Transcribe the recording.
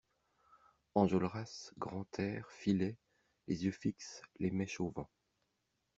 Enjolras, Grantaire filaient, les yeux fixes, les mèches au vent.